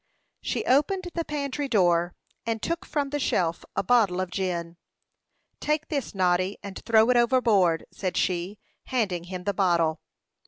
She opened the pantry door, and took from the shelf a bottle of gin. "Take this, Noddy, and throw it overboard," said she, handing him the bottle.